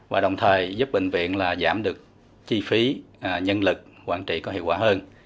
và đồng thời giúp bệnh viện giảm được chi phí nhân lực quản trị có hiệu quả hơn